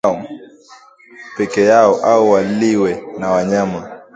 pekee yao au waliwe na wanyama